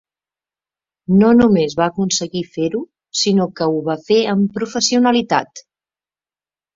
No només va aconseguir fer-ho, sinó que ho va fer amb professionalitat!